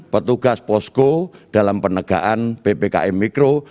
petugas posko dalam penegaan ppkm mikro